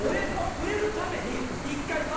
売れるために。